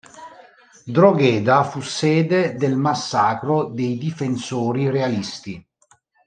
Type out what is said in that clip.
Drogheda fu sede del massacro dei difensori realisti.